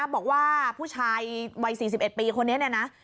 บอกว่าผู้ชายวัย๔๑ปีคนนี้เนี่ยนะ